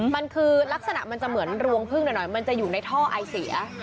มันคือลักษณะมันจะเหมือนรวงพึ่งหน่อยมันจะอยู่ในท่อไอเสีย